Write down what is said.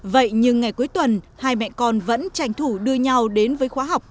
vậy nhưng ngày cuối tuần hai mẹ con vẫn tranh thủ đưa nhau đến với khóa học